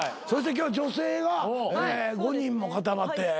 そして今日は女性が５人も固まって。